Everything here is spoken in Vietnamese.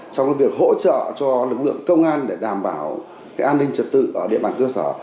trong việc hỗ trợ cho lực lượng công an để đảm bảo an ninh trật tự ở địa bàn cơ sở